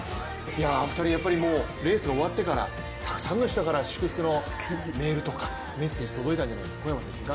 お二人、レースが終わってからたくさんの人から祝福のメールとかメッセージ届いたんじゃないですか？